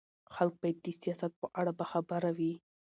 خلک باید د سیاست په اړه باخبره وي